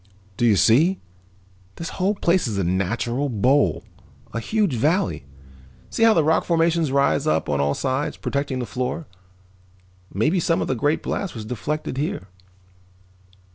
"Do you see? This whole place is a natural bowl, a huge valley. See how the rock formations rise up on all sides, protecting the floor. Maybe some of the great blast was deflected here."